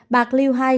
bạc liêu hai